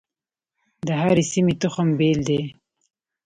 د هرې سیمې تخم بیل دی.